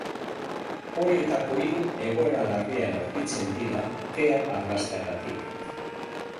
Horietako hiru egoera larrian aurkitzen dira kea arnasteagatik.